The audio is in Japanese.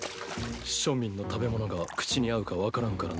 庶民の食べ物が口に合うか分からんからな